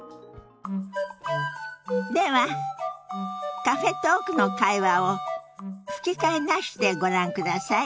ではカフェトークの会話を吹き替えなしでご覧ください。